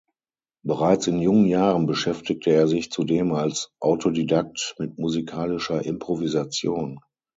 Bereits in jungen Jahren beschäftigte er sich zudem als Autodidakt mit musikalischer Improvisation.